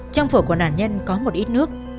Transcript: trong phổ của nạn nhân có một ít nước